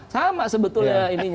sama sebetulnya ini